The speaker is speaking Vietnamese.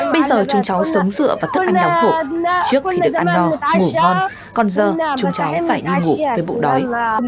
bây giờ chúng cháu sống dựa vào thức ăn đau khổ trước thì được ăn no ngủ ngon còn giờ chúng cháu phải đi ngủ với bụi đói